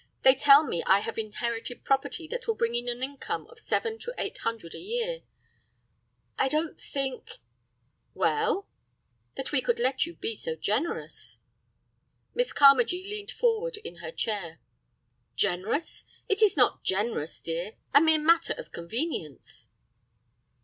They tell me I have inherited property that will bring in an income of seven to eight hundred a year. I don't think—" "Well?" "That we could let you be so generous." Miss Carmagee leaned forward in her chair. "Generous? It is not generous, dear; a mere matter of convenience."